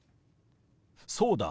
そうだ。